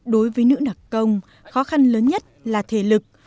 đối với nữ đặc công khó khăn lớn nhất là thể lực